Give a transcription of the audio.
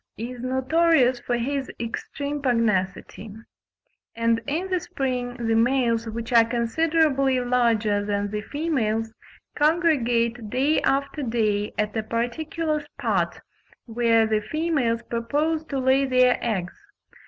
37) is notorious for his extreme pugnacity; and in the spring, the males, which are considerably larger than the females, congregate day after day at a particular spot, where the females propose to lay their eggs.